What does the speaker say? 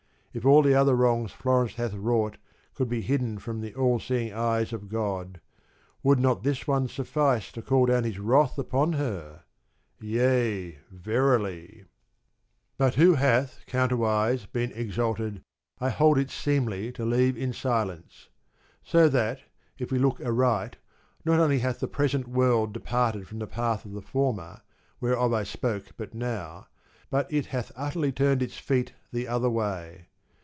If all the other wrongs Florence hath wrought could be hidden from the all seeing eyes of God, would not this one suffice to call down his wrath upon her ? Yea, verily ! But who hath counterwise been ex alted, I hold it seemly to leave in silence. So that, if we look aright, not only hath the present world departed from the path of the former, whereof I spoke but now, but it hath utterly turned its feet the other way.